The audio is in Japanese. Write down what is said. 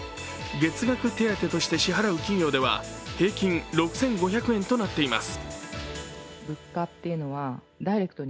月額手当として支払う企業では平均６５００円となっています。